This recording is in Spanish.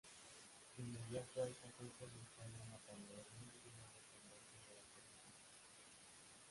Inmediato a esta fecha se instala una panadería y una dependencia de la policía.